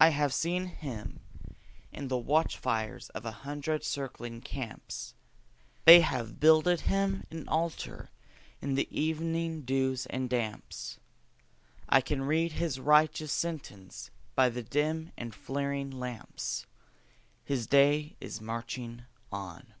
I have seen Him in the watch fires of a hundred circling camps ; They have builded Him an altar in the evening dews and damps; I can read his righteous sentence by the dim and flaring lamps; His day is marching on.